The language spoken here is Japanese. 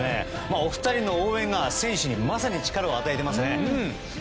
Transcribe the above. お二人の応援が選手に力を与えていますね。